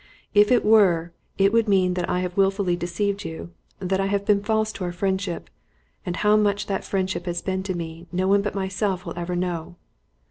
"If it were, it would mean that I have wilfully deceived you, that I have been false to our friendship; and how much that friendship has been to me, no one but myself will ever know."